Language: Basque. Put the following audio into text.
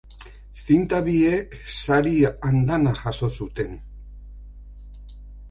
Zinta biek sari andana jaso zuten.